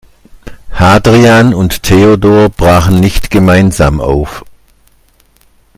Hadrian und Theodor brachen nicht gemeinsam auf.